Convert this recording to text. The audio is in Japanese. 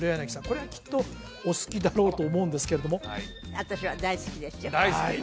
これはきっとお好きだろうと思うんですけれども私は大好きですよはい